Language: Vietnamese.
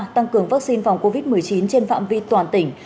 tăng cường vaccine phòng covid một mươi chín trên phạm vi toàn tỉnh